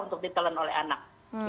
untuk ditelan oleh anak